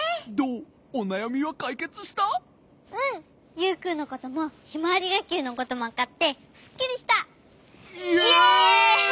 ユウくんのこともひまわりがっきゅうのこともわかってすっきりした！イェイ！